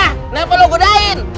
kenapa lo gudain